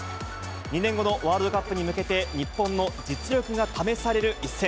２年後のワールドカップに向けて、日本の実力が試される一戦。